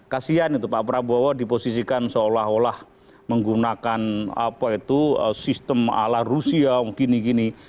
kasian itu pak prabowo diposisikan seolah olah menggunakan apa itu sistem ala rusia begini gini